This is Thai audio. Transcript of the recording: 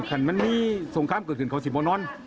มันมีสงครามเกิดขึ้นเขาสิโมนอน